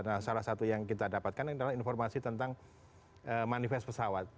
nah salah satu yang kita dapatkan adalah informasi tentang manifest pesawat